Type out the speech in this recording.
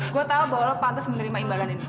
gue tau bahwa lo pantas menerima imbalan ini